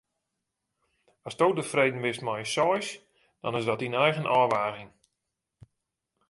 Asto tefreden bist mei in seis, dan is dat dyn eigen ôfwaging.